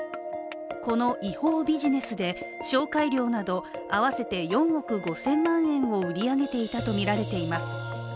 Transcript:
この違法ビジネスで紹介料など合わせて４億５０００万円を売り上げていたとみられています。